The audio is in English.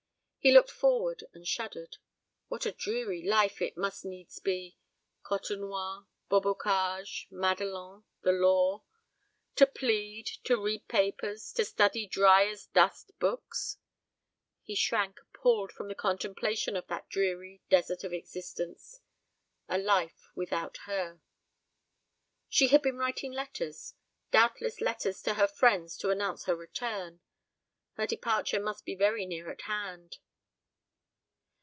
He looked forward and shuddered. What a dreary life it must needs be! Côtenoir, Beaubocage, Madelon, the law; to plead, to read papers, to study dry as dust books. He shrank appalled from the contemplation of that dreary desert of existence a life without her. She had been writing letters doubtless letters to her friends to announce her return. Her departure must be very near at hand.